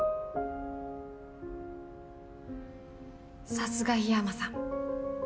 さすが緋山さん。